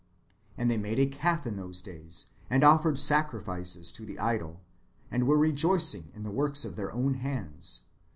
And they made a calf in those days, and offered sacrifices to the idol, and were rejoicing in the works of their own hands.